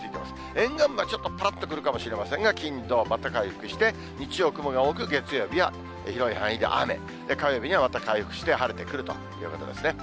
沿岸部はちょっとぱらっと来るかもしれませんが、金、土、また回復して日曜、雲が多く、月曜日は広い範囲で雨、火曜日にはまた回復して晴れてくるということですね。